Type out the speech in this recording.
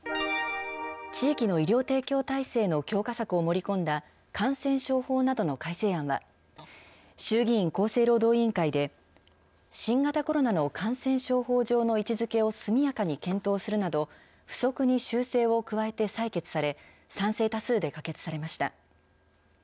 地域の医療提供体制の強化策を盛り込んだ感染症法などの改正案は、衆議院厚生労働委員会で、新型コロナの感染症法上の位置づけを速やかに検討するなど、付則に修正を加えて採決され、賛成多数で可決されました。